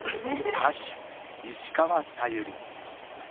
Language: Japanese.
歌手石川さゆり。